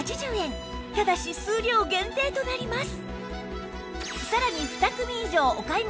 ただし数量限定となります